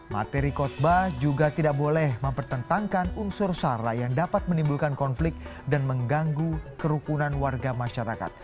materi kotbah juga tidak boleh mempertentangkan unsur sara yang dapat menimbulkan konflik dan mengganggu kerukunan warga masyarakat